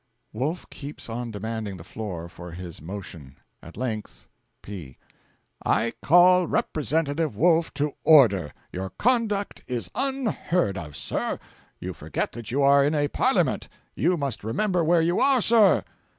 Wolf keeps on demanding the floor for his motion. At length P. 'I call Representative Wolf to order! Your conduct is unheard of, sir! You forget that you are in a parliament; you must remember where you are, sir.'